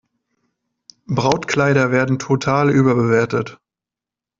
Brautkleider werden total überbewertet.